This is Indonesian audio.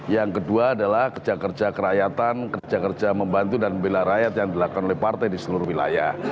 yang kedua adalah kerja kerja kerakyatan kerja kerja membantu dan membela rakyat yang dilakukan oleh partai di seluruh wilayah